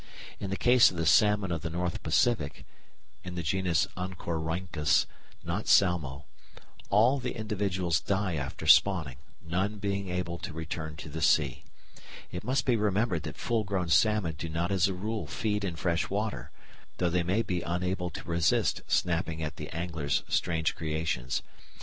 In the case of the salmon of the North Pacific (in the genus Oncorhynchus, not Salmo) all the individuals die after spawning, none being able to return to the sea. It must be remembered that full grown salmon do not as a rule feed in fresh water, though they may be unable to resist snapping at the angler's strange creations.